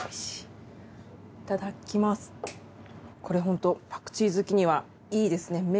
これホントパクチー好きにはいいですね。